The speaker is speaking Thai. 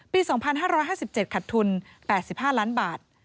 ปี๒๕๕๗ขัดทุน๘๕ล้านบาท